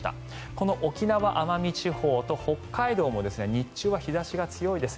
この沖縄・奄美地方と北海道も日中は日差しが強いです。